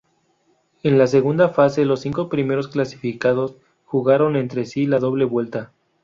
En la segunda fase los cinco primeros clasificados jugaron entre sí la doble vuelta.